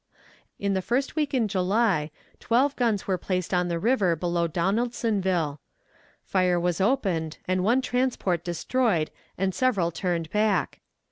In the first week in July, twelve guns were placed on the river below Donaldsonville. Fire was opened and one transport destroyed and several turned back.